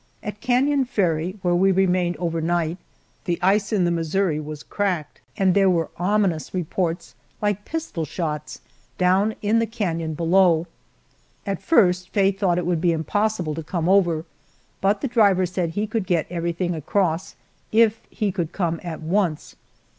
At Canon Ferry, where we remained over night, the ice in the Missouri was cracked, and there were ominous reports like pistol shots down in the canon below. At first Faye thought it would be impossible to come over, but the driver said he could get everything across, if he could come at once.